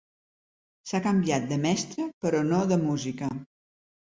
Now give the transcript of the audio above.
S'ha canviat de mestre, però no de música.